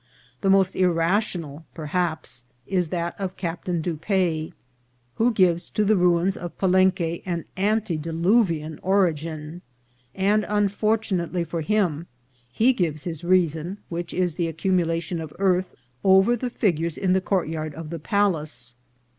The most irrational, perhaps, is that of Captain Dupaix, who gives to the ruins of Pa lenque an antediluvian origin ; and, unfortunately for him, he gives his reason, which is the accumulation of earth over the figures in the courtyard of the palace.